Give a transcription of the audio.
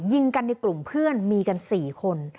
ยิงกันในกลุ่มเพื่อนมีกัน๔คน